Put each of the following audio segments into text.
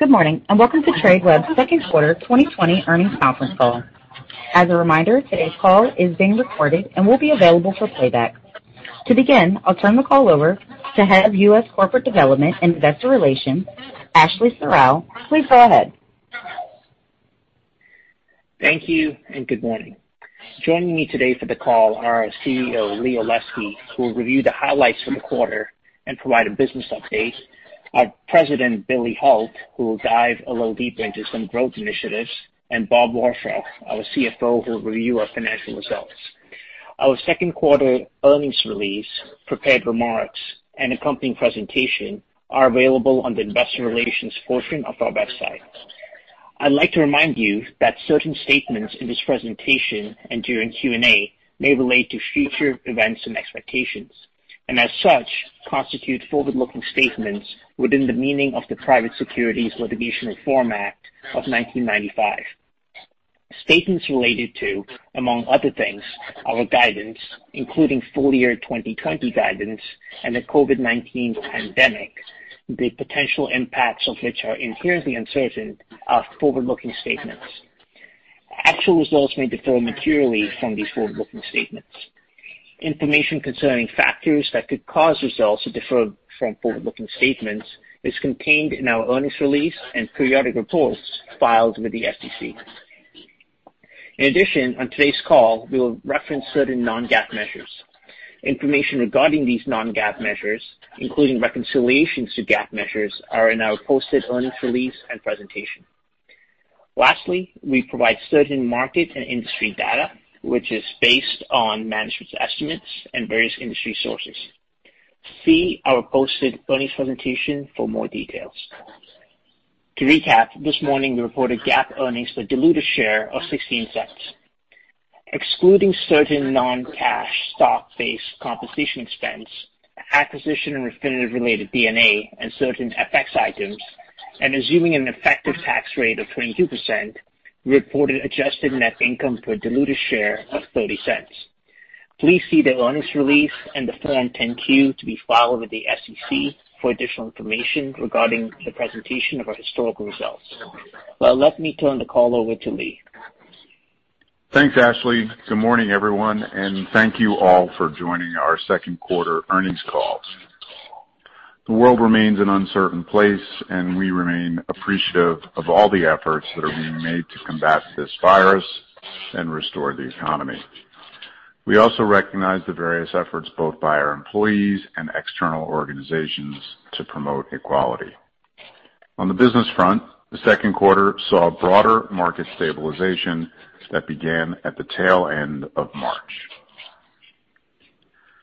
Good morning, and welcome to Tradeweb's second quarter 2020 earnings conference call. As a reminder, today's call is being recorded and will be available for playback. To begin, I'll turn the call over to Head of U.S. Corporate Development and Investor Relations, Ashley Serrao. Please go ahead. Thank you and good morning. Joining me today for the call are our CEO, Lee Olesky, who will review the highlights from the quarter and provide a business update, our President, Billy Hult, who will dive a little deeper into some growth initiatives, and Bob Warshaw, our CFO, who will review our financial results. Our second quarter earnings release, prepared remarks, and accompanying presentation are available on the investor relations portion of our website. I'd like to remind you that certain statements in this presentation and during Q&A may relate to future events and expectations, and as such, constitute forward-looking statements within the meaning of the Private Securities Litigation Reform Act of 1995. Statements related to, among other things, our guidance, including full year 2020 guidance and the COVID-19 pandemic, the potential impacts of which are inherently uncertain, are forward-looking statements. Actual results may differ materially from these forward-looking statements. Information concerning factors that could cause results to differ from forward-looking statements is contained in our earnings release and periodic reports filed with the SEC. In addition, on today's call, we will reference certain non-GAAP measures. Information regarding these non-GAAP measures, including reconciliations to GAAP measures, are in our posted earnings release and presentation. Lastly, we provide certain market and industry data, which is based on management's estimates and various industry sources. See our posted earnings presentation for more details. To recap, this morning, we reported GAAP earnings for diluted share of $0.16. Excluding certain non-cash stock-based compensation expense, acquisition and Refinitiv-related D&A, and certain FX items, and assuming an effective tax rate of 22%, we reported adjusted net income per diluted share of $0.30. Please see the earnings release and the Form 10-Q to be filed with the SEC for additional information regarding the presentation of our historical results. Well, let me turn the call over to Lee. Thanks, Ashley. Good morning, everyone, and thank you all for joining our second quarter earnings call. The world remains an uncertain place. We remain appreciative of all the efforts that are being made to combat this virus and restore the economy. We also recognize the various efforts, both by our employees and external organizations, to promote equality. On the business front, the second quarter saw broader market stabilization that began at the tail end of March.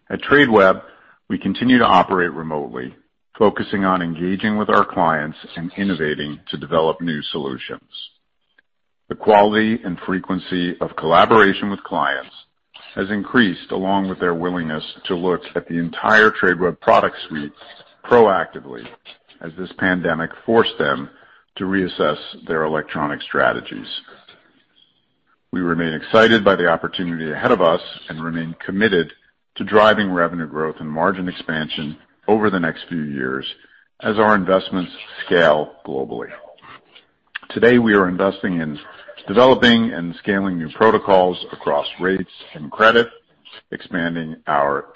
At Tradeweb, we continue to operate remotely, focusing on engaging with our clients and innovating to develop new solutions. The quality and frequency of collaboration with clients has increased, along with their willingness to look at the entire Tradeweb product suite proactively as this pandemic forced them to reassess their electronic strategies. We remain excited by the opportunity ahead of us and remain committed to driving revenue growth and margin expansion over the next few years as our investments scale globally. Today, we are investing in developing and scaling new protocols across rates and credit, expanding our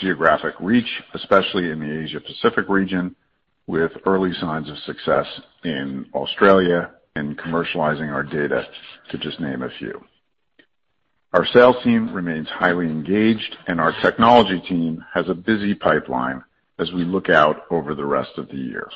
geographic reach, especially in the Asia-Pacific region, with early signs of success in Australia, and commercializing our data, to just name a few. Our sales team remains highly engaged, and our technology team has a busy pipeline as we look out over the rest of the year.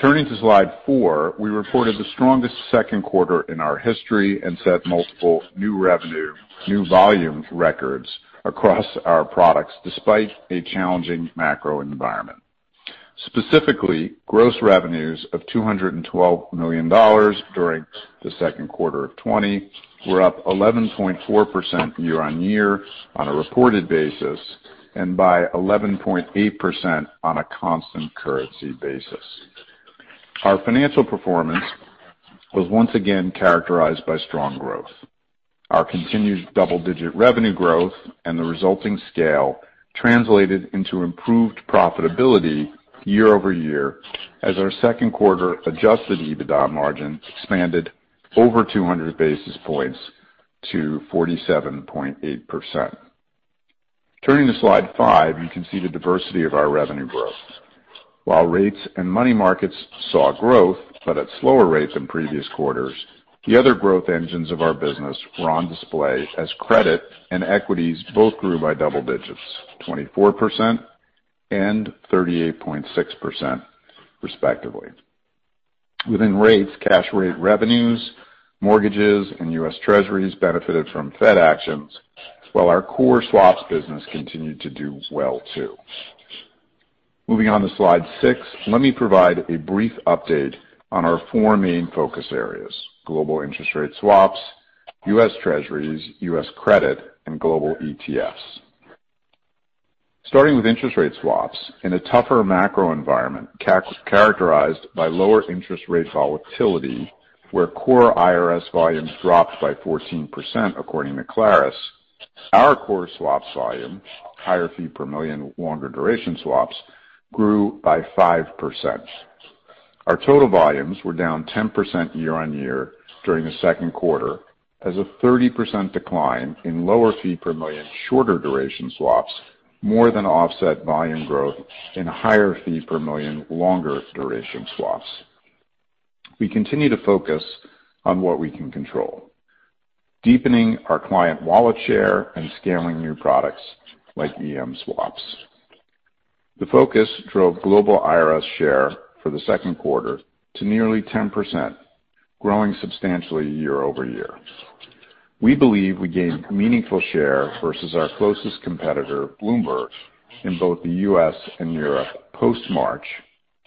Turning to slide four, we reported the strongest second quarter in our history and set multiple new revenue, new volume records across our products, despite a challenging macro environment. Specifically, gross revenues of $212 million during the second quarter of 2020 were up 11.4% year-on-year on a reported basis and by 11.8% on a constant currency basis. Our financial performance was once again characterized by strong growth. Our continued double-digit revenue growth and the resulting scale translated into improved profitability year-over-year as our second quarter adjusted EBITDA margin expanded over 200 basis points to 47.8%. Turning to slide five, you can see the diversity of our revenue growth. While rates and money markets saw growth, but at slower rates than previous quarters, the other growth engines of our business were on display as credit and equities both grew by double digits, 24% and 38.6% respectively. Within rates, cash rate revenues, mortgages, and U.S. Treasuries benefited from Fed actions, while our core swaps business continued to do well, too. Moving on to slide six, let me provide a brief update on our four main focus areas, global interest rate swaps, U.S. Treasuries, U.S. credit, and global ETFs. Starting with interest rate swaps, in a tougher macro environment characterized by lower interest rate volatility, where core IRS volumes dropped by 14%, according to ClarusFT. Our core swaps volumes, higher fee per million, longer duration swaps, grew by 5%. Our total volumes were down 10% year-over-year during the second quarter as a 30% decline in lower fee per million shorter duration swaps more than offset volume growth in higher fee per million longer duration swaps. We continue to focus on what we can control, deepening our client wallet share and scaling new products like EM swaps. The focus drove global IRS share for the second quarter to nearly 10%, growing substantially year-over-year. We believe we gained meaningful share versus our closest competitor, Bloomberg, in both the U.S. and Europe post-March,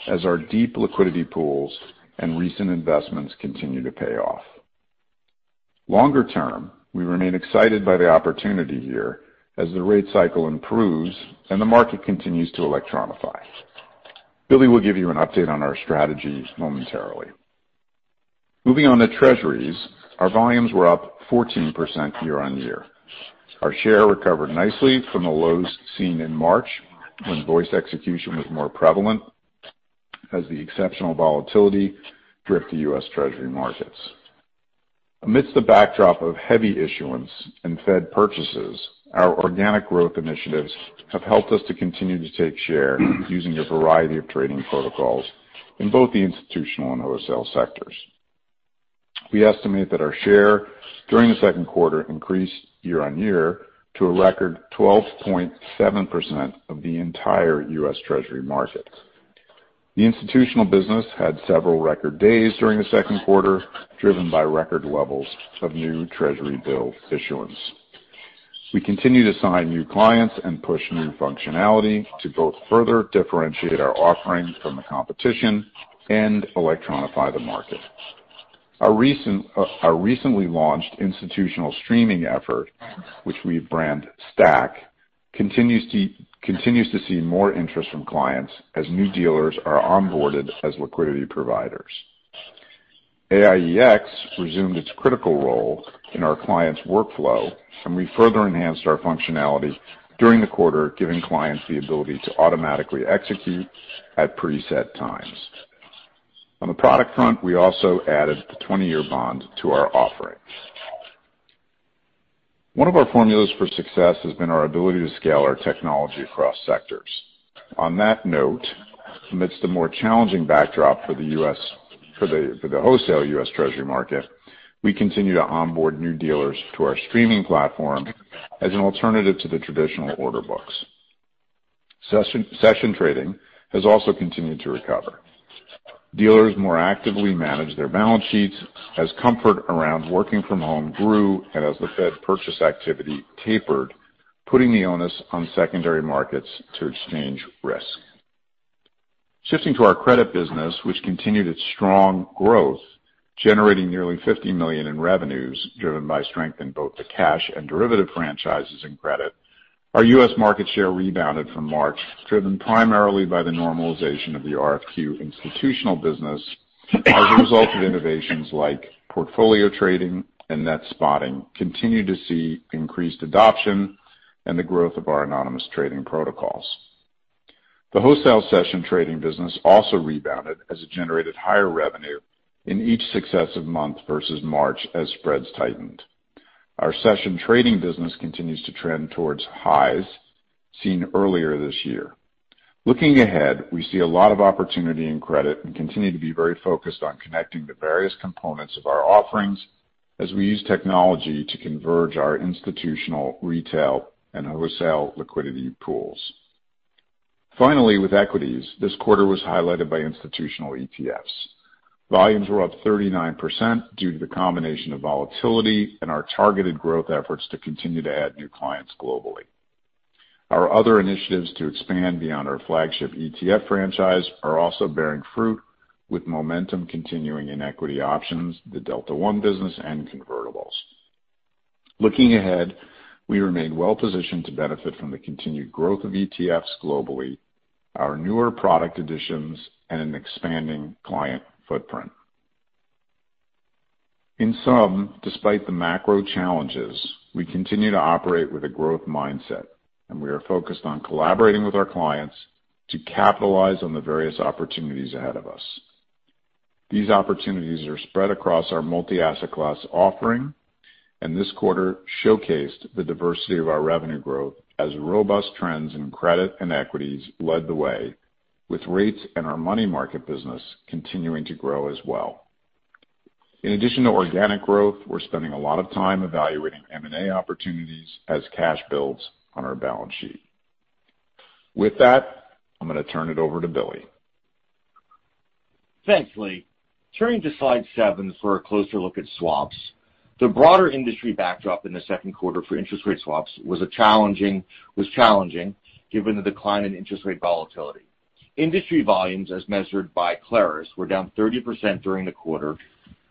as our deep liquidity pools and recent investments continue to pay off. Longer term, we remain excited by the opportunity here as the rate cycle improves and the market continues to electronify. Billy will give you an update on our strategy momentarily. Moving on to Treasuries, our volumes were up 14% year-on-year. Our share recovered nicely from the lows seen in March when voice execution was more prevalent as the exceptional volatility gripped the U.S. Treasury markets. Amidst the backdrop of heavy issuance and Fed purchases, our organic growth initiatives have helped us to continue to take share using a variety of trading protocols in both the institutional and wholesale sectors. We estimate that our share during the second quarter increased year-on-year to a record 12.7% of the entire U.S. Treasury market. The institutional business had several record days during the second quarter, driven by record levels of new Treasury bill issuance. We continue to sign new clients and push new functionality to both further differentiate our offerings from the competition and electronify the market. Our recently launched institutional streaming effort, which we've branded Stack, continues to see more interest from clients as new dealers are onboarded as liquidity providers. AiEX resumed its critical role in our clients' workflow, and we further enhanced our functionality during the quarter, giving clients the ability to automatically execute at preset times. On the product front, we also added the 20-year bond to our offering. One of our formulas for success has been our ability to scale our technology across sectors. On that note, amidst the more challenging backdrop for the wholesale U.S. Treasury market, we continue to onboard new dealers to our streaming platform as an alternative to the traditional order books. Session trading has also continued to recover. Dealers more actively manage their balance sheets as comfort around working from home grew and as the Fed purchase activity tapered, putting the onus on secondary markets to exchange risk. Shifting to our credit business, which continued its strong growth, generating nearly $50 million in revenues, driven by strength in both the cash and derivative franchises in credit. Our U.S. market share rebounded from March, driven primarily by the normalization of the RFQ institutional business as a result of innovations like portfolio trading and net spotting continue to see increased adoption and the growth of our anonymous trading protocols. The wholesale session trading business also rebounded as it generated higher revenue in each successive month versus March as spreads tightened. Our session trading business continues to trend towards highs seen earlier this year. Looking ahead, we see a lot of opportunity in credit and continue to be very focused on connecting the various components of our offerings as we use technology to converge our institutional retail and wholesale liquidity pools. Finally, with equities, this quarter was highlighted by institutional ETFs. Volumes were up 39% due to the combination of volatility and our targeted growth efforts to continue to add new clients globally. Our other initiatives to expand beyond our flagship ETF franchise are also bearing fruit with momentum continuing in equity options, the Delta One business, and convertibles. Looking ahead, we remain well-positioned to benefit from the continued growth of ETFs globally, our newer product additions, and an expanding client footprint. In sum, despite the macro challenges, we continue to operate with a growth mindset, and we are focused on collaborating with our clients to capitalize on the various opportunities ahead of us. These opportunities are spread across our multi-asset class offering. This quarter showcased the diversity of our revenue growth as robust trends in credit and equities led the way with rates and our money market business continuing to grow as well. In addition to organic growth, we're spending a lot of time evaluating M&A opportunities as cash builds on our balance sheet. With that, I'm going to turn it over to Billy. Thanks, Lee. Turning to slide seven for a closer look at swaps. The broader industry backdrop in the second quarter for interest rate swaps was challenging given the decline in interest rate volatility. Industry volumes as measured by ClarusFT were down 30% during the quarter,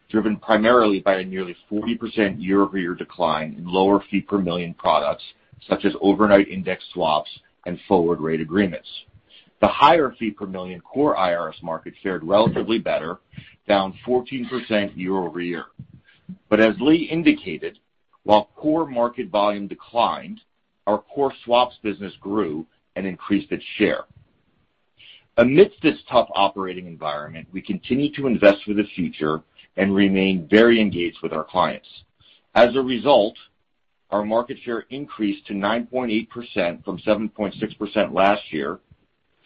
driven primarily by a nearly 40% year-over-year decline in lower fee per million products such as overnight index swaps and forward rate agreements. The higher fee per million core IRS market shared relatively better, down 14% year-over-year. As Lee indicated, while core market volume declined, our core swaps business grew and increased its share. Amidst this tough operating environment, we continue to invest for the future and remain very engaged with our clients. As a result, our market share increased to 9.8% from 7.6% last year,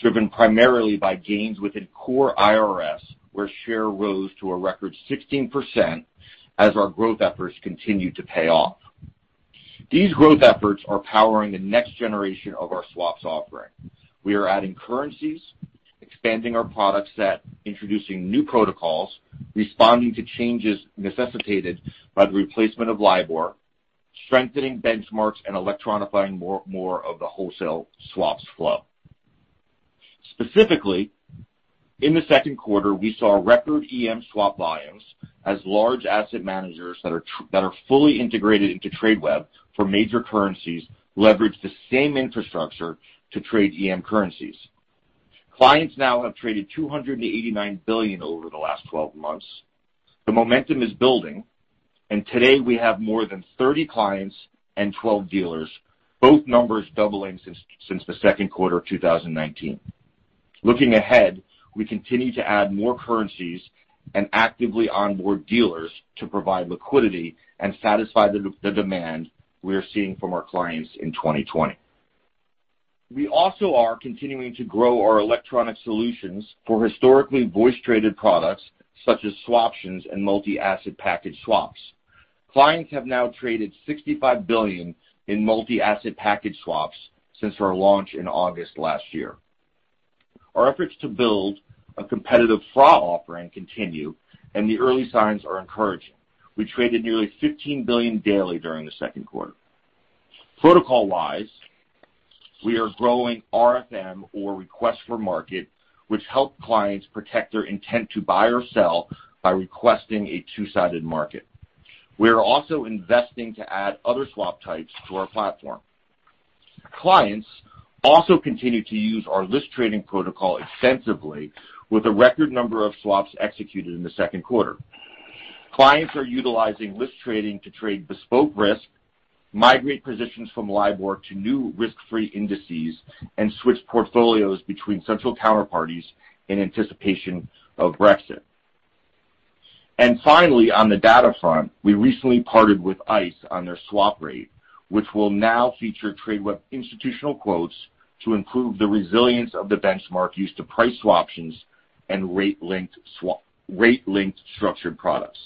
driven primarily by gains within core IRS, where share rose to a record 16% as our growth efforts continued to pay off. These growth efforts are powering the next generation of our swaps offering. We are adding currencies, expanding our product set, introducing new protocols, responding to changes necessitated by the replacement of LIBOR, strengthening benchmarks, and electronifying more of the wholesale swaps flow. Specifically, in the second quarter, we saw record EM swap volumes as large asset managers that are fully integrated into Tradeweb for major currencies leverage the same infrastructure to trade EM currencies. Clients now have traded $289 billion over the last 12 months. The momentum is building, and today we have more than 30 clients and 12 dealers, both numbers doubling since the second quarter of 2019. Looking ahead, we continue to add more currencies and actively onboard dealers to provide liquidity and satisfy the demand we're seeing from our clients in 2020. We also are continuing to grow our electronic solutions for historically voice-traded products, such as swaptions and multi-asset package swaps. Clients have now traded $65 billion in multi-asset package swaps since our launch in August last year. Our efforts to build a competitive FRA offering continue, and the early signs are encouraging. We traded nearly $15 billion daily during the second quarter. Protocol-wise, we are growing RFM or request for market, which help clients protect their intent to buy or sell by requesting a two-sided market. We're also investing to add other swap types to our platform. Clients also continue to use our list trading protocol extensively with a record number of swaps executed in the second quarter. Clients are utilizing list trading to trade bespoke risk, migrate positions from LIBOR to new risk-free indices, and switch portfolios between central counterparties in anticipation of Brexit. Finally, on the data front, we recently partnered with ICE on their Swap rate, which will now feature Tradeweb institutional quotes to improve the resilience of the benchmark used to price swaptions and rate-linked structured products.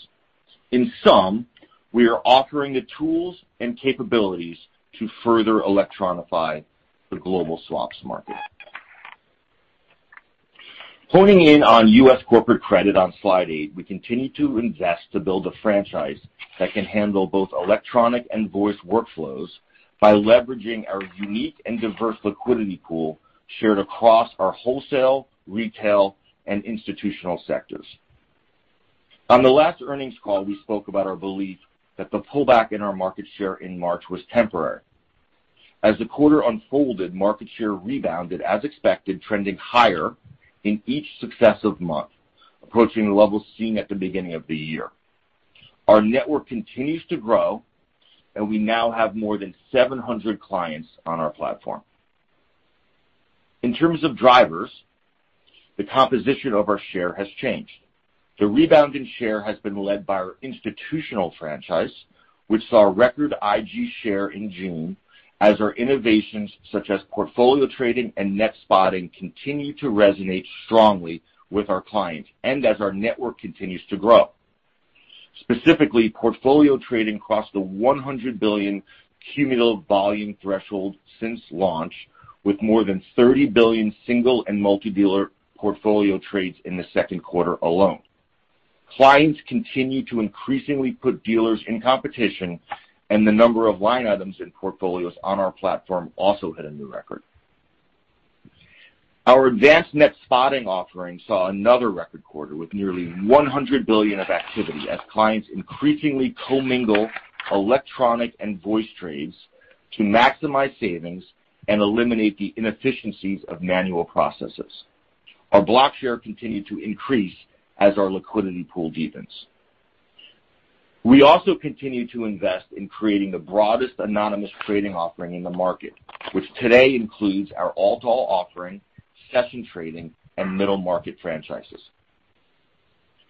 Honing in on U.S. corporate credit on slide eight, we continue to invest to build a franchise that can handle both electronic and voice workflows by leveraging our unique and diverse liquidity pool shared across our wholesale, retail, and institutional sectors. On the last earnings call, we spoke about our belief that the pullback in our market share in March was temporary. As the quarter unfolded, market share rebounded as expected, trending higher in each successive month, approaching the levels seen at the beginning of the year. Our network continues to grow, and we now have more than 700 clients on our platform. In terms of drivers, the composition of our share has changed. The rebound in share has been led by our institutional franchise, which saw a record IG share in June as our innovations, such as portfolio trading and net spotting, continue to resonate strongly with our clients and as our network continues to grow. Specifically, portfolio trading crossed the $100 billion cumulative volume threshold since launch, with more than $30 billion single and multi-dealer portfolio trades in the second quarter alone. Clients continue to increasingly put dealers in competition, and the number of line items in portfolios on our platform also hit a new record. Our advanced net spotting offering saw another record quarter with nearly $100 billion of activity as clients increasingly commingle electronic and voice trades to maximize savings and eliminate the inefficiencies of manual processes. Our block share continued to increase as our liquidity pool deepens. We also continue to invest in creating the broadest all-to-all trading offering in the market, which today includes our all-to-all offering, session trading, and middle-market franchises.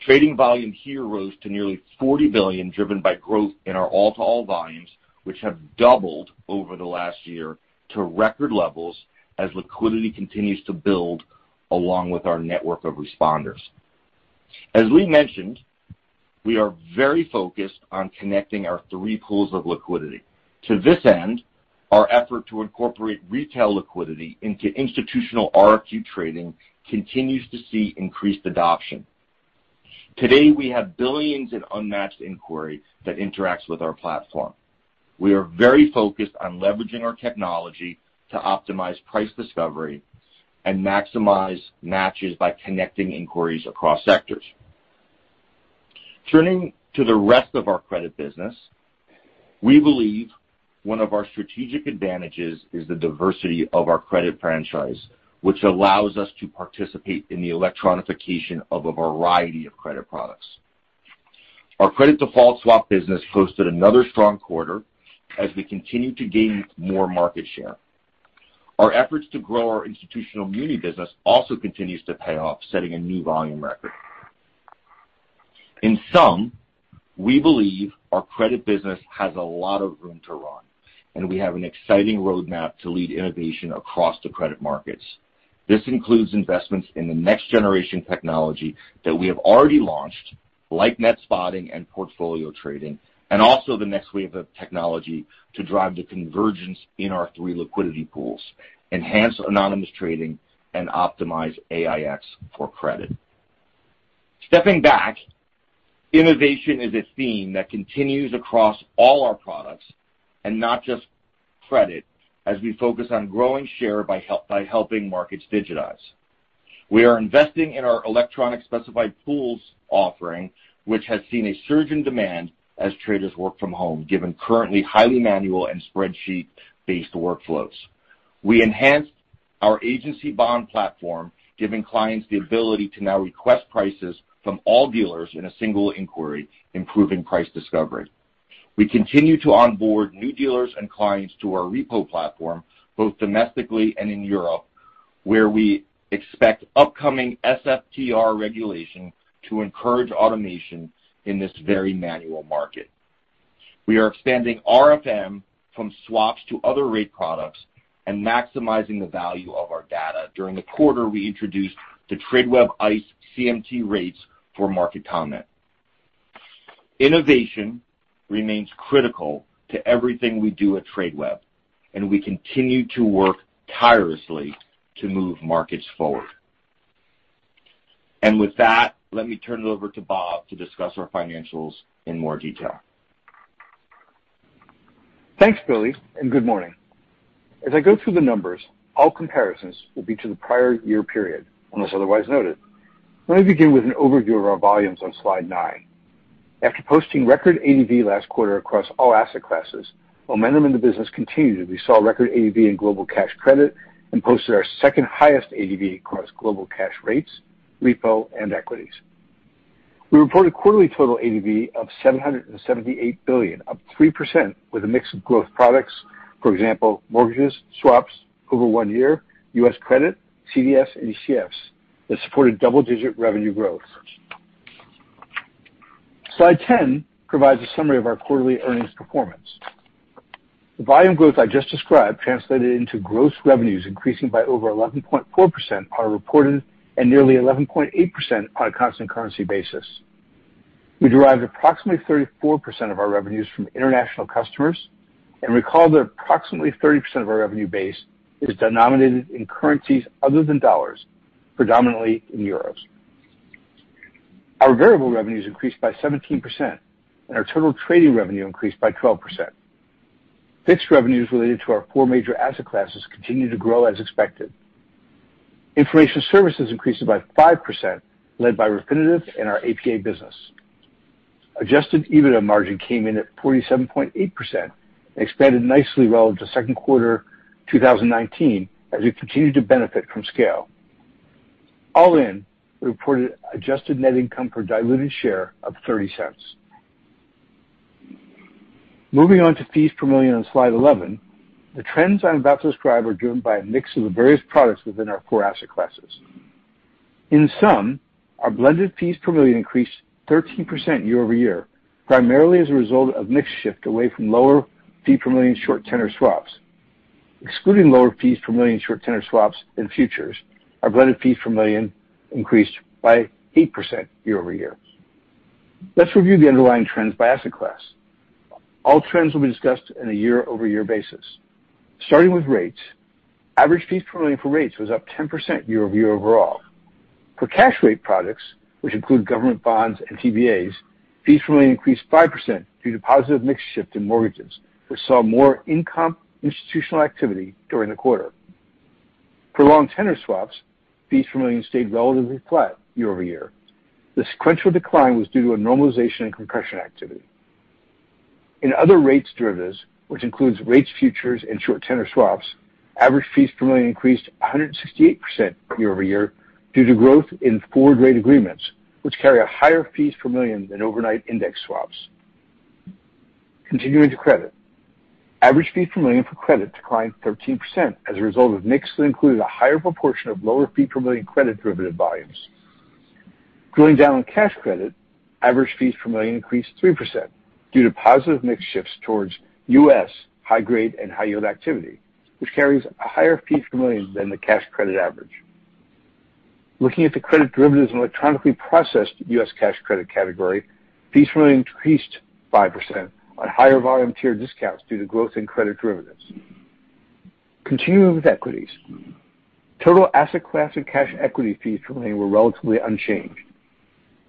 Trading volume here rose to nearly $40 billion, driven by growth in our all-to-all volumes, which have doubled over the last year to record levels as liquidity continues to build along with our network of responders. As Lee mentioned, we are very focused on connecting our three pools of liquidity. To this end, our effort to incorporate retail liquidity into institutional RFQ trading continues to see increased adoption. Today, we have billions in unmatched inquiry that interacts with our platform. We are very focused on leveraging our technology to optimize price discovery and maximize matches by connecting inquiries across sectors. Turning to the rest of our credit business, we believe one of our strategic advantages is the diversity of our credit franchise, which allows us to participate in the electronification of a variety of credit products. Our credit default swap business posted another strong quarter as we continue to gain more market share. Our efforts to grow our institutional muni business also continues to pay off, setting a new volume record. In sum, we believe our credit business has a lot of room to run, and we have an exciting roadmap to lead innovation across the credit markets. This includes investments in the next-generation technology that we have already launched, like net spotting and portfolio trading, and also the next wave of technology to drive the convergence in our three liquidity pools, enhance anonymous trading, and optimize AiEX for credit. Stepping back, innovation is a theme that continues across all our products, and not just credit, as we focus on growing share by helping markets digitize. We are investing in our electronic specified pools offering, which has seen a surge in demand as traders work from home, given currently highly manual and spreadsheet-based workflows. We enhanced our agency bond platform, giving clients the ability to now request prices from all dealers in a single inquiry, improving price discovery. We continue to onboard new dealers and clients to our repo platform, both domestically and in Europe, where we expect upcoming SFTR regulation to encourage automation in this very manual market. We are expanding RFM from swaps to other rate products and maximizing the value of our data. During the quarter, we introduced the Tradeweb ICE CMT Rates for market comment. Innovation remains critical to everything we do at Tradeweb, and we continue to work tirelessly to move markets forward. With that, let me turn it over to Bob to discuss our financials in more detail. Thanks, Billy, and good morning. As I go through the numbers, all comparisons will be to the prior year period, unless otherwise noted. Let me begin with an overview of our volumes on slide nine. After posting record ADV last quarter across all asset classes, momentum in the business continued as we saw record ADV in global cash credit and posted our second-highest ADV across global cash rates, repo, and equities. We reported quarterly total ADV of $778 billion, up 3% with a mix of growth products, for example, mortgages, swaps over one year, U.S. credit, CDS and ETFs that supported double-digit revenue growth. Slide 10 provides a summary of our quarterly earnings performance. The volume growth I just described translated into gross revenues increasing by over 11.4% are reported and nearly 11.8% on a constant currency basis. We derived approximately 34% of our revenues from international customers, recall that approximately 30% of our revenue base is denominated in currencies other than dollars, predominantly in euros. Our variable revenues increased by 17%, our total trading revenue increased by 12%. Fixed revenues related to our four major asset classes continue to grow as expected. Information services increases by 5%, led by Refinitiv and our APA business. Adjusted EBITDA margin came in at 47.8% expanded nicely well into second quarter 2019 as we continue to benefit from scale. All in, we reported adjusted net income per diluted share of $0.30. Moving on to fees per million on slide 11. The trends I'm about to describe are driven by a mix of the various products within our core asset classes. In sum, our blended fees per million increased 13% year-over-year, primarily as a result of mix shift away from lower fee per million short tenor swaps. Excluding lower fees per million short tenor swaps and futures, our blended fees per million increased by 8% year-over-year. Let's review the underlying trends by asset class. All trends will be discussed in a year-over-year basis. Starting with rates, average fees per million for rates was up 10% year-over-year overall. For cash rate products, which include government bonds and TBAs, fees per million increased 5% due to positive mix shift in mortgages, which saw more income institutional activity during the quarter. For long tenor swaps, fees per million stayed relatively flat year-over-year. The sequential decline was due to a normalization in compression activity. In other rates derivatives, which includes rates futures and short tenor swaps, average fees per million increased 168% year-over-year due to growth in forward rate agreements, which carry a higher fees per million than overnight index swaps. Continuing to credit. Average fee per million for credit declined 13% as a result of mix that included a higher proportion of lower fee per million credit derivative volumes. Drilling down on cash credit, average fees per million increased 3% due to positive mix shifts towards U.S. high grade and high yield activity, which carries a higher fee per million than the cash credit average. Looking at the credit derivatives and electronically processed U.S. cash credit category, fees per million increased 5% on higher volume tier discounts due to growth in credit derivatives. Continuing with equities. Total asset class and cash equity fees per million were relatively unchanged.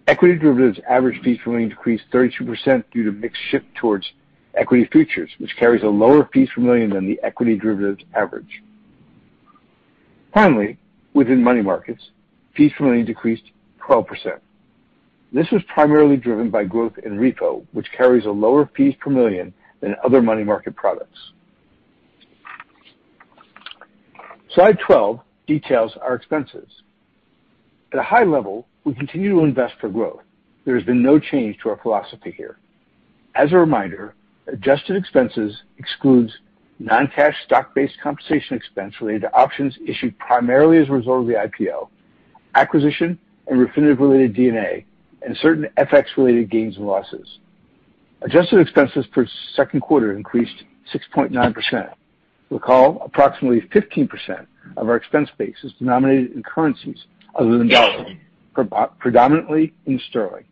Equity derivatives average fees per million decreased 32% due to mix shift towards equity futures, which carries a lower fees per million than the equity derivatives average. Within money markets, fees per million decreased 12%. This was primarily driven by growth in repo, which carries a lower fees per million than other money market products. Slide 12 details our expenses. At a high level, we continue to invest for growth. There has been no change to our philosophy here. As a reminder, adjusted expenses excludes non-cash stock-based compensation expense related to options issued primarily as a result of the IPO, acquisition and Refinitiv-related G&A, and certain FX-related gains and losses. Adjusted expenses for second quarter increased 6.9%. Approximately 15% of our expense base is denominated in currencies other than dollars, predominantly in sterling.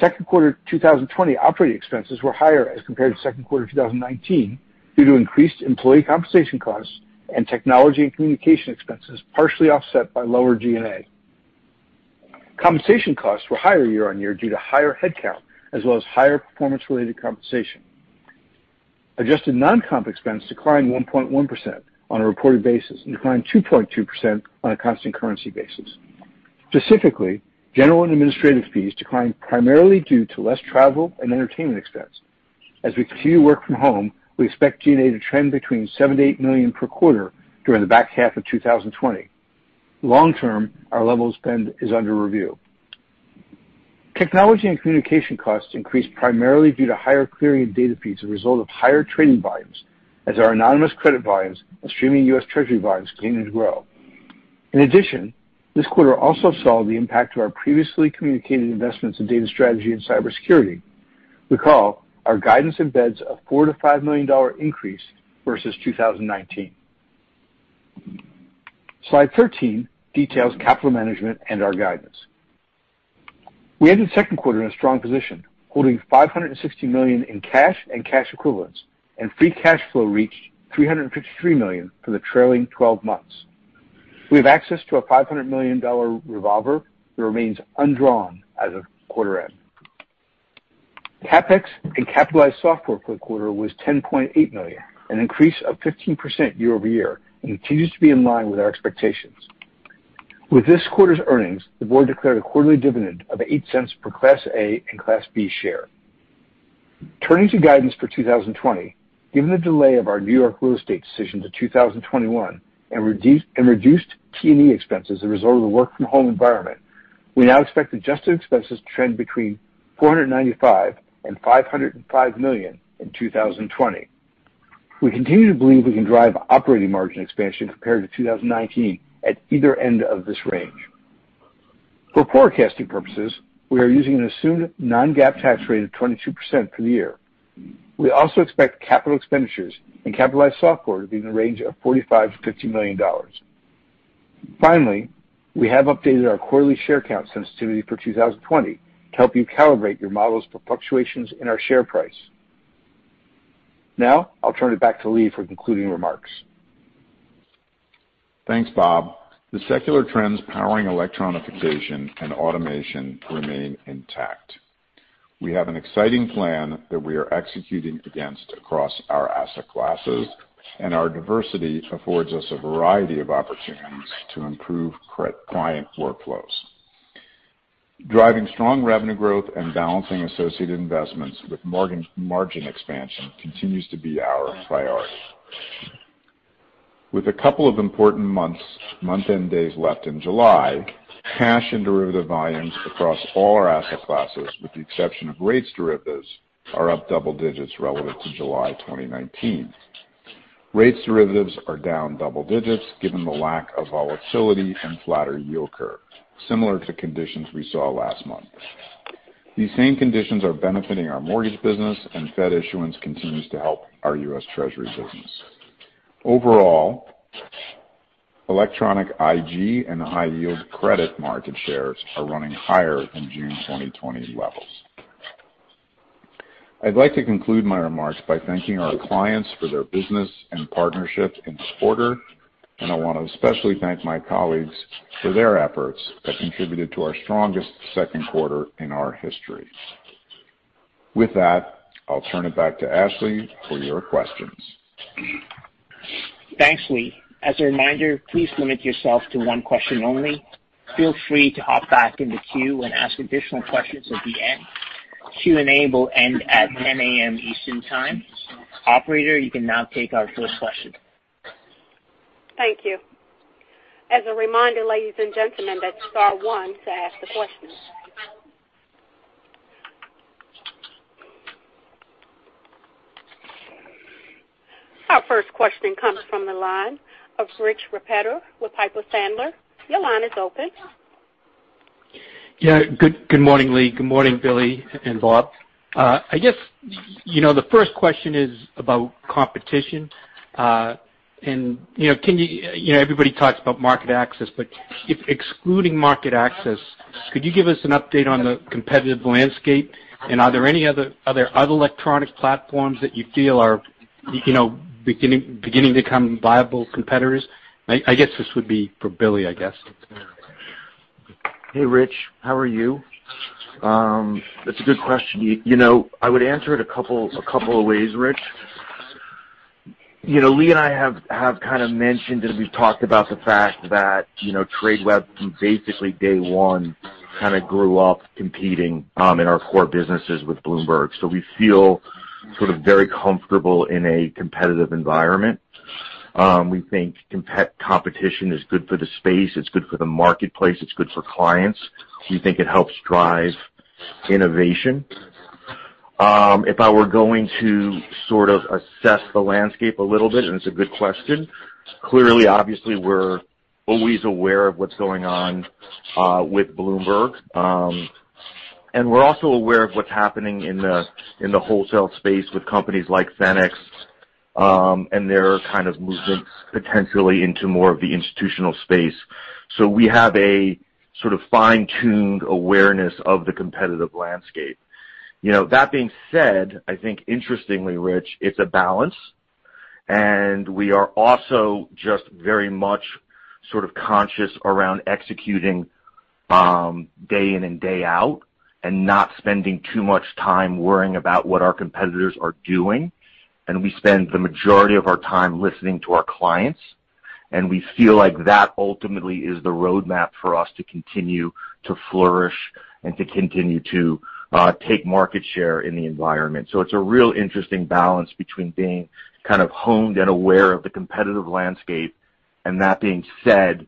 Second quarter 2020 operating expenses were higher as compared to second quarter 2019 due to increased employee compensation costs and technology and communication expenses, partially offset by lower G&A. Compensation costs were higher year-on-year due to higher headcount, as well as higher performance-related compensation. Adjusted non-comp expense declined 1.1% on a reported basis and declined 2.2% on a constant currency basis. Specifically, general and administrative fees declined primarily due to less travel and entertainment expense. As we continue to work from home, we expect G&A to trend between $7 million-$8 million per quarter during the back half of 2020. Long term, our level of spend is under review. Technology and communication costs increased primarily due to higher clearing and data fees as a result of higher trading volumes as our anonymous credit volumes and streaming U.S. Treasury volumes continued to grow. In addition, this quarter also saw the impact of our previously communicated investments in data strategy and cybersecurity. Recall, our guidance embeds a $4 million-$5 million increase versus 2019. Slide 13 details capital management and our guidance. We ended the second quarter in a strong position, holding $560 million in cash and cash equivalents, and free cash flow reached $353 million for the trailing 12 months. We have access to a $500 million revolver that remains undrawn as of quarter end. CapEx and capitalized software for the quarter was $10.8 million, an increase of 15% year-over-year, and continues to be in line with our expectations. With this quarter's earnings, the board declared a quarterly dividend of $0.08 per Class A and Class B share. Turning to guidance for 2020, given the delay of our N.Y. real estate decision to 2021 and reduced G&A expenses as a result of the work-from-home environment, we now expect adjusted expenses to trend between $495 million and $505 million in 2020. We continue to believe we can drive operating margin expansion compared to 2019 at either end of this range. For forecasting purposes, we are using an assumed non-GAAP tax rate of 22% for the year. We also expect capital expenditures and capitalized software to be in the range of $45 million-$50 million. Finally, we have updated our quarterly share count sensitivity for 2020 to help you calibrate your models for fluctuations in our share price. Now, I'll turn it back to Lee for concluding remarks. Thanks, Bob. The secular trends powering electronification and automation remain intact. We have an exciting plan that we are executing against across our asset classes, and our diversity affords us a variety of opportunities to improve client workflows. Driving strong revenue growth and balancing associated investments with margin expansion continues to be our priority. With a couple of important month-end days left in July, cash and derivative volumes across all our asset classes, with the exception of rates derivatives, are up double digits relevant to July 2019. Rates derivatives are down double digits given the lack of volatility and flatter yield curve, similar to conditions we saw last month. These same conditions are benefiting our mortgage business, and Fed issuance continues to help our U.S. Treasury business. Overall, electronic IG and high-yield credit market shares are running higher than June 2020 levels. I'd like to conclude my remarks by thanking our clients for their business and partnership in this quarter, and I want to especially thank my colleagues for their efforts that contributed to our strongest second quarter in our history. With that, I'll turn it back to Ashley for your questions. Thanks, Lee. As a reminder, please limit yourself to one question only. Feel free to hop back in the queue and ask additional questions at the end. Q&A will end at 10 A.M. Eastern Time. Operator, you can now take our first question. Thank you. As a reminder, ladies and gentlemen, that is star one to ask the questions. Our first question comes from the line of Rich Repetto with Piper Sandler. Your line is open. Yeah. Good morning, Lee. Good morning, Billy and Bob. I guess the first question is about competition. Everybody talks about market access, but excluding market access, could you give us an update on the competitive landscape? Are there any other electronic platforms that you feel are beginning to become viable competitors? I guess this would be for Billy, I guess. Hey, Rich. How are you? That's a good question. I would answer it a couple of ways, Rich. Lee and I have kind of mentioned as we've talked about the fact that Tradeweb from basically day one kind of grew up competing in our core businesses with Bloomberg. We feel sort of very comfortable in a competitive environment. We think competition is good for the space, it's good for the marketplace, it's good for clients. We think it helps drive innovation. If I were going to sort of assess the landscape a little bit, and it's a good question. Clearly, obviously, we're always aware of what's going on with Bloomberg. We're also aware of what's happening in the wholesale space with companies like FENICS and their kind of movements potentially into more of the institutional space. We have a sort of fine-tuned awareness of the competitive landscape. That being said, I think interestingly, Rich, it's a balance, and we are also just very much sort of conscious around executing day in and day out and not spending too much time worrying about what our competitors are doing. We spend the majority of our time listening to our clients, and we feel like that ultimately is the roadmap for us to continue to flourish and to continue to take market share in the environment. It's a real interesting balance between being kind of honed and aware of the competitive landscape, and that being said,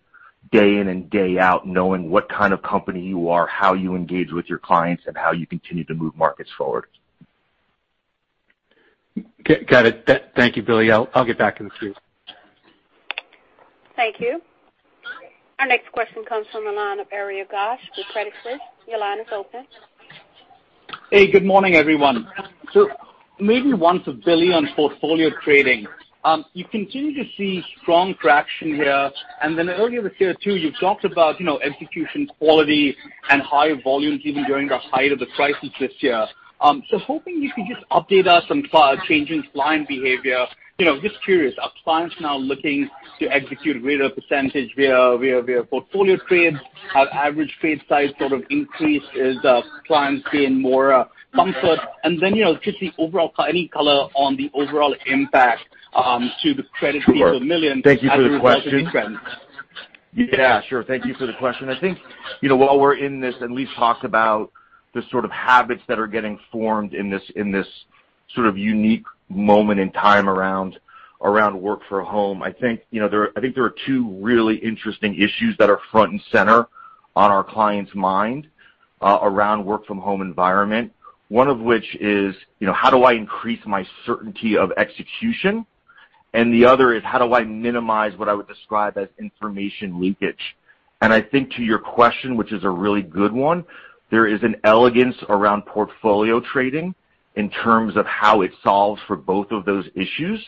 day in and day out, knowing what kind of company you are, how you engage with your clients, and how you continue to move markets forward. Got it. Thank you, Billy. I'll get back in the queue. Thank you. Our next question comes from the line of Ari Ghosh with Credit Suisse. Your line is open. Hey, good morning, everyone. Maybe one to Billy Hult on portfolio trading. You continue to see strong traction here, earlier this year, too, you talked about execution quality and higher volumes even during the height of the crisis this year. Hoping you could just update us on changing client behavior. Just curious, are clients now looking to execute a greater percentage via portfolio trades? Have average trade size sort of increased? Is the client gain more comfort? Just the overall, any color on the overall impact to the credit fee per million as a result of these trends. Yeah, sure. Thank you for the question. I think, while we're in this, and Lee's talked about the sort of habits that are getting formed in this sort of unique moment in time around work from home. I think there are two really interesting issues that are front and center on our clients' mind around work from home environment. One of which is, how do I increase my certainty of execution? The other is, how do I minimize what I would describe as information leakage? I think to your question, which is a really good one, there is an elegance around portfolio trading in terms of how it solves for both of those issues,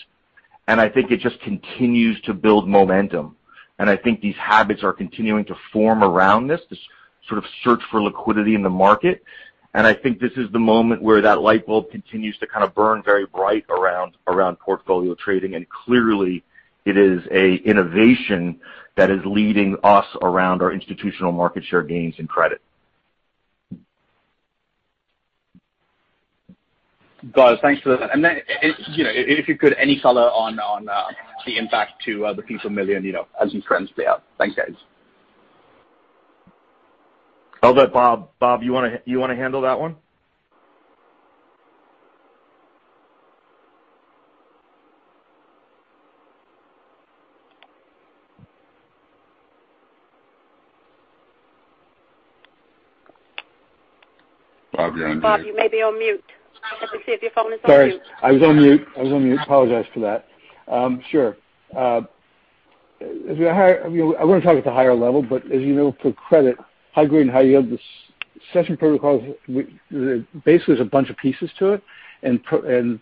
and I think it just continues to build momentum. I think these habits are continuing to form around this sort of search for liquidity in the market. I think this is the moment where that light bulb continues to kind of burn very bright around portfolio trading. Clearly it is an innovation that is leading us around our institutional market share gains in credit. Got it. Thanks for that. Then if you could, any color on the impact to the fee per million, as these trends play out? Thanks, guys. How about Bob? Bob, you want to handle that one? Bob, you're on mute. Bob, you may be on mute. I have to see if your phone is on mute. Sorry. I was on mute. I apologize for that. Sure. I want to talk at the higher level. As you know, for credit, high grade and high yield, the session protocols, basically, there's a bunch of pieces to it.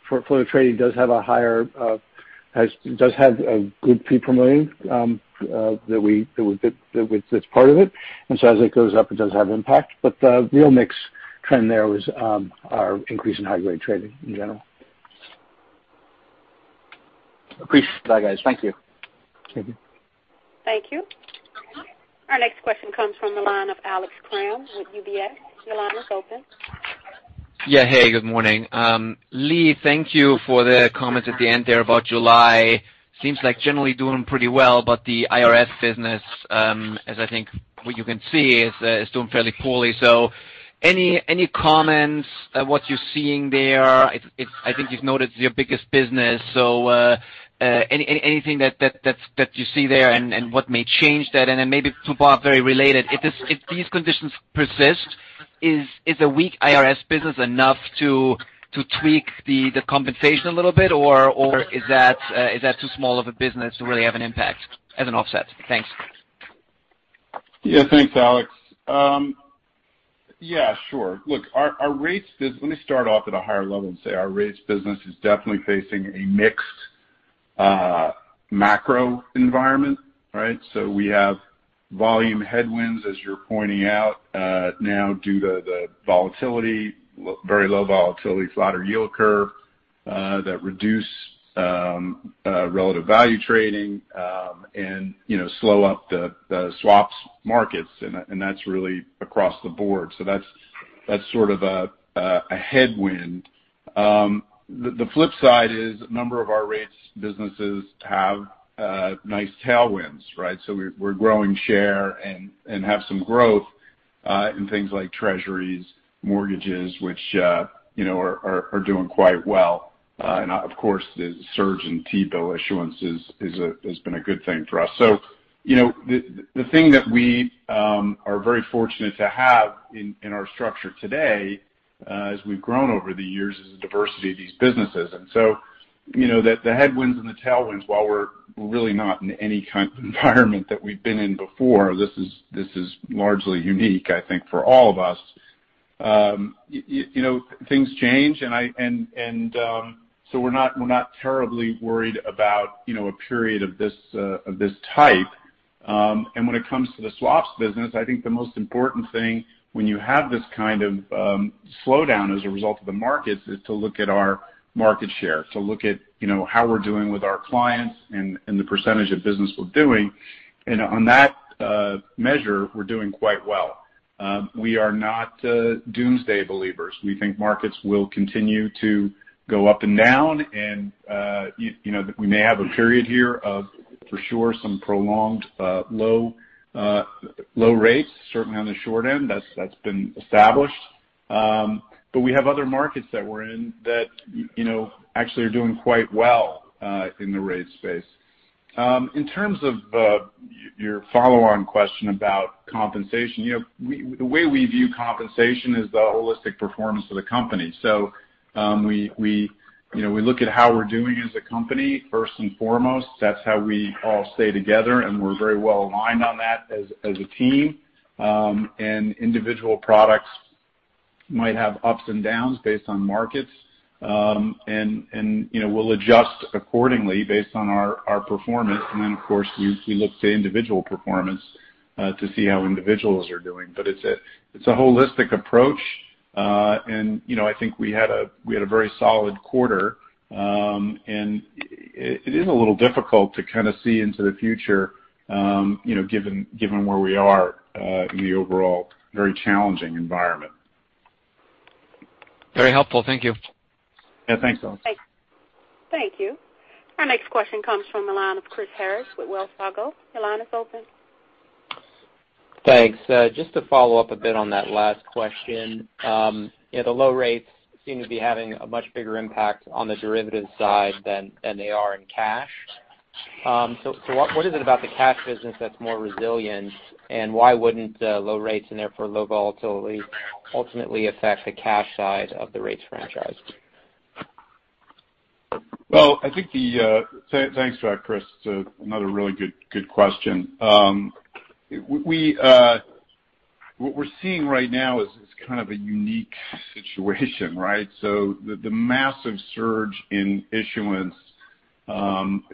Portfolio trading does have a good fee per million that's part of it. As it goes up, it does have impact. The real mix trend there was our increase in high grade trading in general. Appreciate that, guys. Thank you. Thank you. Thank you. Our next question comes from the line of Alex Kramm with UBS. Your line is open. Hey, good morning. Lee, thank you for the comments at the end there about July. Seems like generally doing pretty well, but the IRS business, as I think what you can see, is doing fairly poorly. Any comments what you're seeing there? I think you've noted it's your biggest business. Anything that you see there and what may change that? Maybe to Bob, very related. If these conditions persist, is a weak IRS business enough to tweak the compensation a little bit, or is that too small of a business to really have an impact as an offset? Thanks. Yeah. Thanks, Alex. Yeah, sure. Look, let me start off at a higher level and say our rates business is definitely facing a mixed macro environment, right? We have volume headwinds, as you're pointing out now due to the volatility, very low volatility, flatter yield curve. That reduce relative value trading and slow up the swaps markets. That's really across the board. That's sort of a headwind. The flip side is a number of our rates businesses have nice tailwinds, right? We're growing share and have some growth in things like treasuries, mortgages, which are doing quite well. Of course, the surge in T-bill issuance has been a good thing for us. The thing that we are very fortunate to have in our structure today, as we've grown over the years, is the diversity of these businesses. The headwinds and the tailwinds, while we're really not in any kind of environment that we've been in before, this is largely unique, I think, for all of us. Things change, and so we're not terribly worried about a period of this type. When it comes to the swaps business, I think the most important thing when you have this kind of slowdown as a result of the markets is to look at our market share, to look at how we're doing with our clients and the percentage of business we're doing. On that measure, we're doing quite well. We are not doomsday believers. We think markets will continue to go up and down. We may have a period here of, for sure, some prolonged low rates, certainly on the short end. That's been established. We have other markets that we're in that actually are doing quite well in the rates space. In terms of your follow-on question about compensation, the way we view compensation is the holistic performance of the company. We look at how we're doing as a company first and foremost. That's how we all stay together, and we're very well aligned on that as a team. Individual products might have ups and downs based on markets. We'll adjust accordingly based on our performance. Then, of course, we look to individual performance to see how individuals are doing. It's a holistic approach. I think we had a very solid quarter. It is a little difficult to kind of see into the future given where we are in the overall very challenging environment. Very helpful. Thank you. Yeah. Thanks, Kramm. Thank you. Our next question comes from the line of Chris Harris with Wells Fargo. Your line is open. Thanks. Just to follow up a bit on that last question. The low rates seem to be having a much bigger impact on the derivatives side than they are in cash. What is it about the cash business that's more resilient? Why wouldn't low rates, and therefore low volatility, ultimately affect the cash side of the rates franchise? Thanks for that, Chris. Another really good question. What we're seeing right now is kind of a unique situation, right? The massive surge in issuance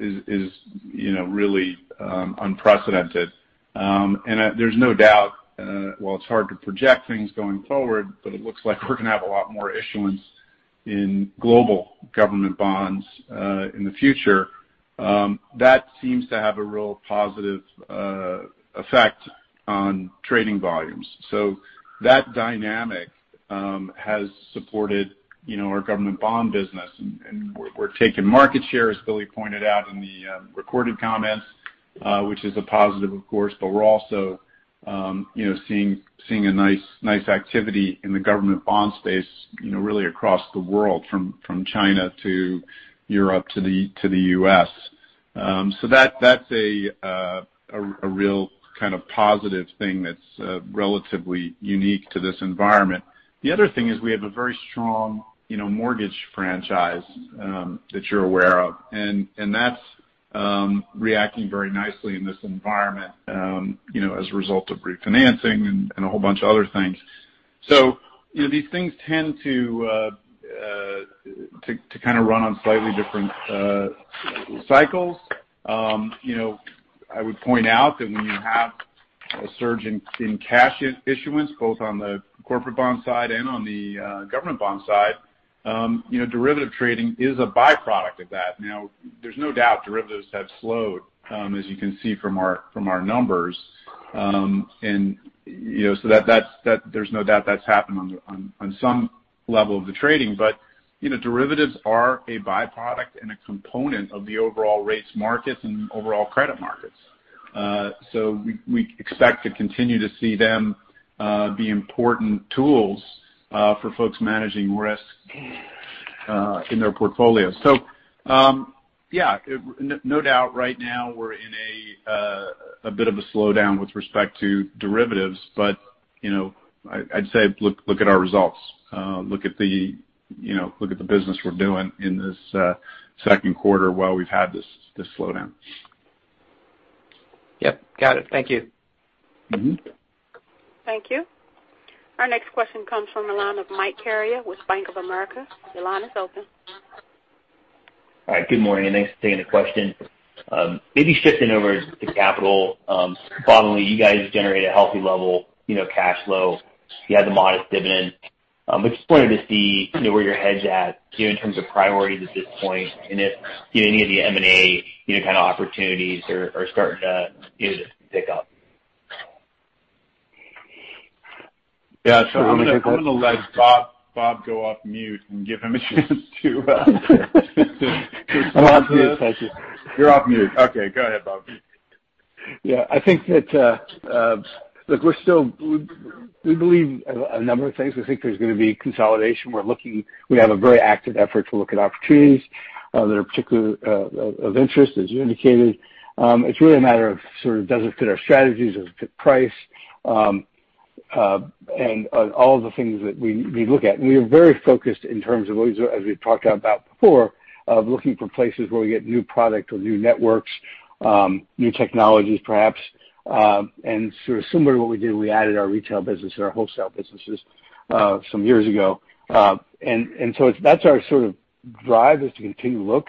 is really unprecedented. There's no doubt, while it's hard to project things going forward, but it looks like we're going to have a lot more issuance in global government bonds in the future. That seems to have a real positive effect on trading volumes. That dynamic has supported our government bond business. We're taking market share, as Billy pointed out in the recorded comments, which is a positive, of course. We're also seeing a nice activity in the government bond space really across the world, from China to Europe to the U.S. That's a real kind of positive thing that's relatively unique to this environment. The other thing is we have a very strong mortgage franchise that you're aware of. That's reacting very nicely in this environment as a result of refinancing and a whole bunch of other things. These things tend to kind of run on slightly different cycles. I would point out that when you have a surge in cash issuance, both on the corporate bond side and on the government bond side, derivative trading is a byproduct of that. There's no doubt derivatives have slowed, as you can see from our numbers. There's no doubt that's happened on some level of the trading. Derivatives are a byproduct and a component of the overall rates markets and overall credit markets. We expect to continue to see them be important tools for folks managing risk in their portfolios. Yeah, no doubt right now we're in a bit of a slowdown with respect to derivatives. I'd say look at our results. Look at the business we're doing in this second quarter while we've had this slowdown. Yep. Got it. Thank you. Thank you. Our next question comes from the line of Mike Carrier with Bank of America. Your line is open. All right. Good morning. Thanks for taking the question. Maybe shifting over to capital. Broadly, you guys generate a healthy level of cash flow. You have the modest dividend. Just wanted to see where your head's at in terms of priorities at this point, and if any of the M&A kind of opportunities are starting to pick up. Yeah. I'm going to let Bob go off mute and give him a chance. I'm off mute. Thank you. You're off mute. Okay. Go ahead, Bob. Yeah, I think that, look, we believe a number of things. We think there's going to be consolidation. We have a very active effort to look at opportunities that are particularly of interest, as you indicated. It's really a matter of sort of does it fit our strategies, does it fit price, and all of the things that we look at. We are very focused in terms of, as we've talked about before, of looking for places where we get new product or new networks, new technologies, perhaps. Sort of similar to what we did when we added our retail business and our wholesale businesses some years ago. That's our sort of drive, is to continue to look.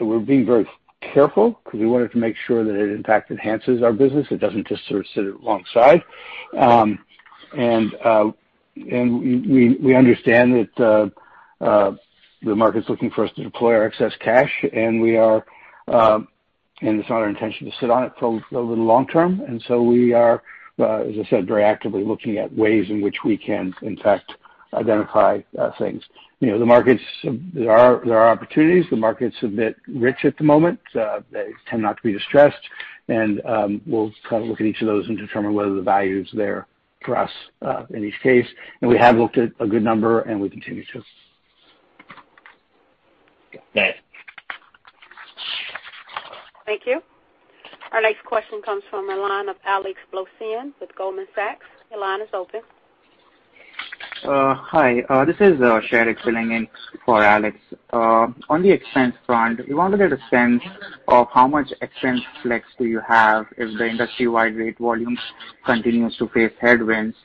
We're being very careful because we wanted to make sure that it, in fact, enhances our business. It doesn't just sort of sit alongside. We understand that the market's looking for us to deploy our excess cash, and it's not our intention to sit on it over the long term. We are, as I said, very actively looking at ways in which we can, in fact, identify things. There are opportunities. The market's a bit rich at the moment. They tend not to be distressed. We'll kind of look at each of those and determine whether the value is there for us in each case. We have looked at a good number, and we continue to. Thanks. Thank you. Our next question comes from the line of Alex Blostein with Goldman Sachs. Your line is open. Hi. This is Sherry filling in for Alex. On the expense front, we want to get a sense of how much expense flex do you have if the industry-wide rate volume continues to face headwinds,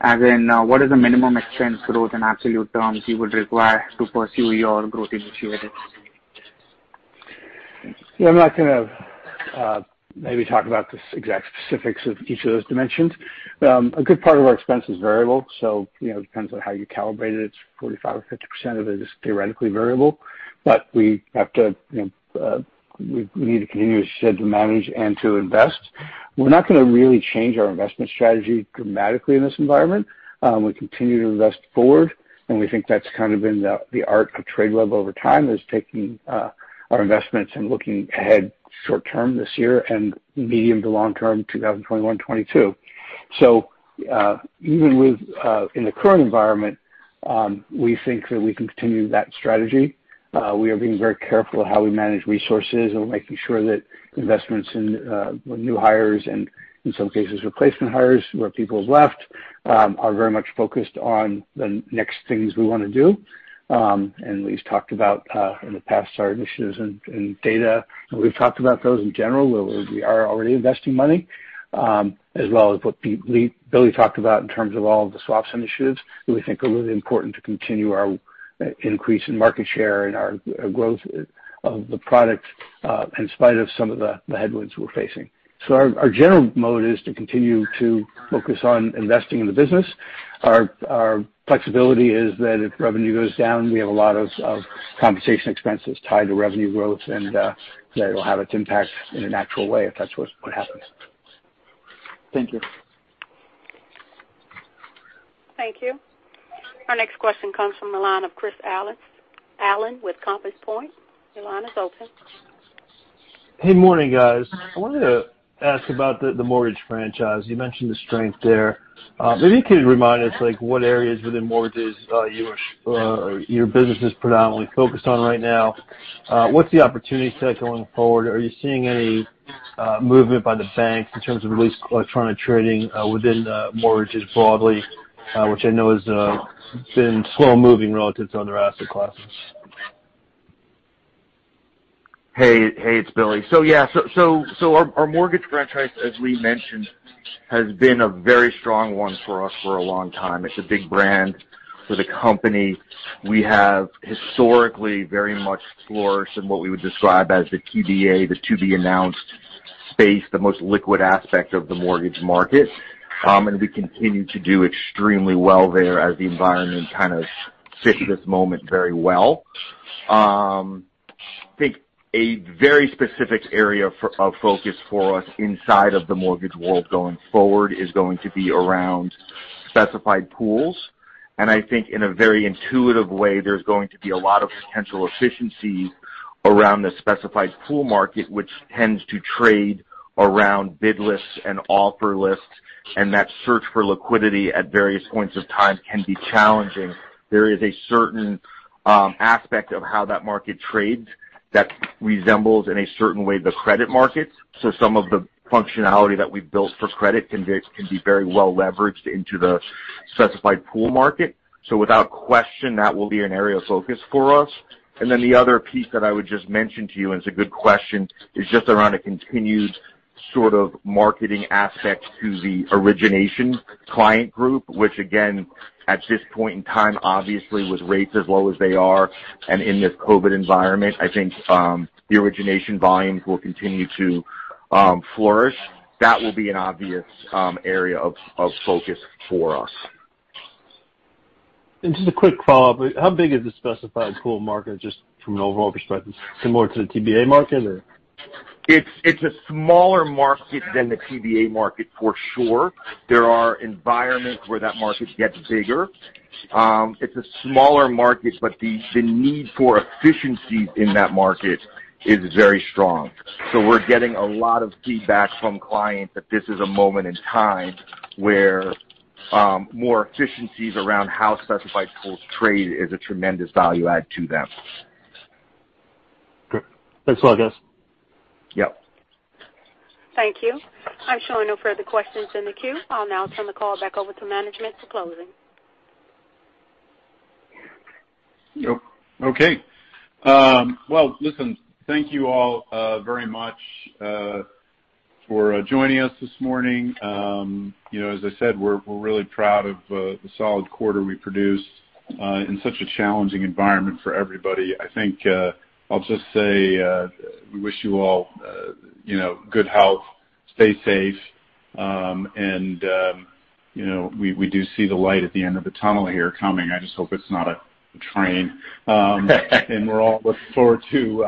as in what is the minimum expense growth in absolute terms you would require to pursue your growth initiative? I'm not going to maybe talk about the exact specifics of each of those dimensions. A good part of our expense is variable, so it depends on how you calibrate it. It's 45% or 50% of it is theoretically variable. We need to continue, as you said, to manage and to invest. We're not going to really change our investment strategy dramatically in this environment. We continue to invest forward, and we think that's kind of been the art of Tradeweb over time, is taking our investments and looking ahead short-term this year and medium to long-term 2021, 2022. Even in the current environment, we think that we can continue that strategy. We are being very careful how we manage resources and making sure that investments in new hires and, in some cases, replacement hires where people have left, are very much focused on the next things we want to do. Lee's talked about, in the past, our initiatives in data, and we've talked about those in general, where we are already investing money, as well as what Billy talked about in terms of all of the swaps initiatives that we think are really important to continue our increase in market share and our growth of the product in spite of some of the headwinds we're facing. Our general mode is to continue to focus on investing in the business. Our flexibility is that if revenue goes down, we have a lot of compensation expenses tied to revenue growth, and that it'll have its impact in a natural way if that's what happens. Thank you. Thank you. Our next question comes from the line of Chris Allen with Compass Point. Your line is open. Hey, morning, guys. I wanted to ask about the mortgage franchise. You mentioned the strength there. Maybe you could remind us, what areas within mortgages your business is predominantly focused on right now. What's the opportunity set going forward? Are you seeing any movement by the banks in terms of at least electronic trading within mortgages broadly, which I know has been slow moving relative to other asset classes? Hey. It's Billy. Yeah. Our mortgage franchise, as Lee mentioned, has been a very strong one for us for a long time. It's a big brand for the company. We have historically very much flourished in what we would describe as the TBA, the to-be-announced space, the most liquid aspect of the mortgage market. We continue to do extremely well there as the environment kind of fits this moment very well. I think a very specific area of focus for us inside of the mortgage world going forward is going to be around specified pools. I think in a very intuitive way, there's going to be a lot of potential efficiencies around the specified pool market, which tends to trade around bid lists and offer lists, and that search for liquidity at various points of time can be challenging. There is a certain aspect of how that market trades that resembles, in a certain way, the credit markets. Some of the functionality that we've built for credit can be very well leveraged into the specified pool market. Without question, that will be an area of focus for us. The other piece that I would just mention to you, and it's a good question, is just around a continued sort of marketing aspect to the origination client group, which again, at this point in time, obviously with rates as low as they are and in this COVID environment, I think the origination volumes will continue to flourish. That will be an obvious area of focus for us. Just a quick follow-up. How big is the specified pool market, just from an overall perspective, similar to the TBA market or? It's a smaller market than the TBA market for sure. There are environments where that market gets bigger. It's a smaller market, the need for efficiency in that market is very strong. We're getting a lot of feedback from clients that this is a moment in time where more efficiencies around how specified pools trade is a tremendous value add to them. Okay. Thanks a lot, guys. Yep. Thank you. I'm showing no further questions in the queue. I'll now turn the call back over to management for closing. Okay. Well, listen, thank you all very much for joining us this morning. As I said, we're really proud of the solid quarter we produced in such a challenging environment for everybody. I think I'll just say we wish you all good health, stay safe. We do see the light at the end of the tunnel here coming. I just hope it's not a train. We're all looking forward to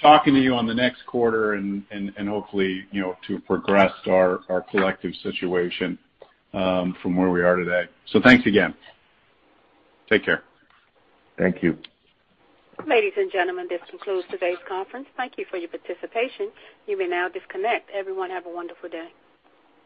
talking to you on the next quarter and hopefully to have progressed our collective situation from where we are today. Thanks again. Take care. Thank you. Ladies and gentlemen, this concludes today's conference. Thank you for your participation. You may now disconnect. Everyone, have a wonderful day.